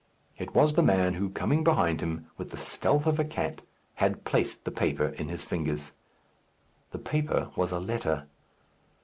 It was the man who, coming behind him with the stealth of a cat, had placed the paper in his fingers. The paper was a letter.